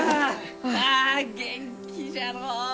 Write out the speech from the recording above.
あ元気じゃのう。